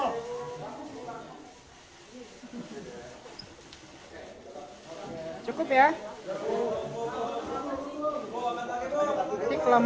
ada yang gelap gelap